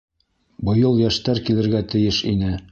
Быйыл йәштәр килергә тейеш ине.